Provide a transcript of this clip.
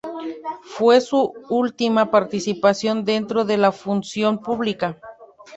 Fue su última participación dentro de la función pública.